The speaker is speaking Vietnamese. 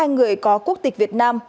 hai người có quốc tịch việt nam